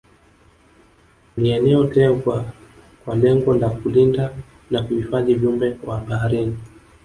Ni eneo tengwa kwa lengo la kulinda na kuhifadhi viumbe wa baharini